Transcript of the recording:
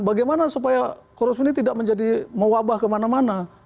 bagaimana supaya korupsi ini tidak menjadi mewabah kemana mana